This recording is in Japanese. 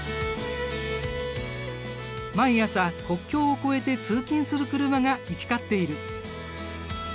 毎朝国境を越えて通勤する車が行き交っている。